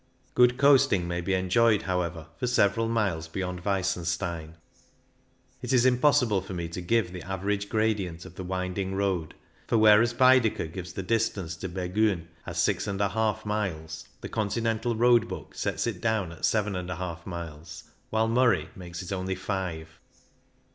Good coasting may be enjoyed, how ever, for several miles beyond Weissen stein. It is impossible for me to give the average gradient of the winding road, for whereas Baedeker gives the distance to Bergiin as 6J miles, the Continental Road Book sets it down at 7J miles, while Murray makes it only five.